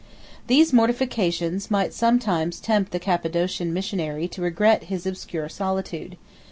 These mortifications might sometimes tempt the Cappadocian missionary to regret his obscure solitude.